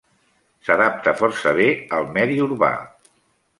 S'adapta força bé al medi urbà.